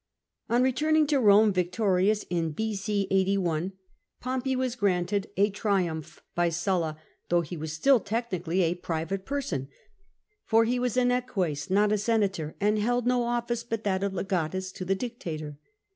On returning to Eome victorious in b.c. 81, Pompey was granted a triumph by Sulla though he was still technically a " private person," for he was an eques, not a senator, and held no office but that of legaPm to the dictator.